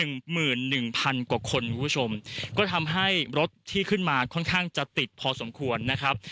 ๑๑๐๐๐กว่าคนคุณผู้ชมก็ทำให้รถที่ขึ้นมาค่อนข้างจะติดพอสมควรนะครับ